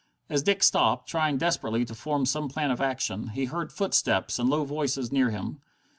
As Dick stopped, trying desperately to form some plan of action, he heard footsteps and low voices near him.